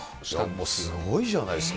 もうすごいじゃないですか。